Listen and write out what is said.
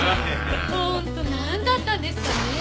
本当なんだったんですかね？